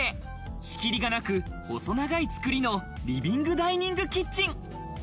仕切りがなく、細長い造りのリビングダイニングキッチン。